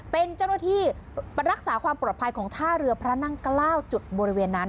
เป็นเจ้าหน้าที่รักษาความปลอดภัยของท่าเรือพระนั่ง๙จุดบริเวณนั้น